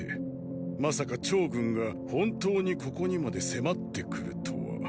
まさか趙軍が本当にここにまで迫ってくるとは。